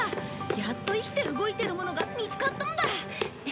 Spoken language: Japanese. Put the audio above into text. やっと生きて動いてるものが見つかったんだ。